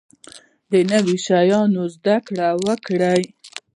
د نوي شیانو زده کړه وکړئ